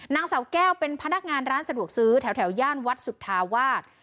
นางสาวแก้วเป็นพนักงานร้านสะดวกซื้อแถวย่านวัดสุธาวาส